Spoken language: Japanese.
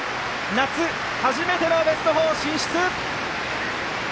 夏、初めてのベスト４進出！